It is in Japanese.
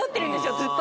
ずっと。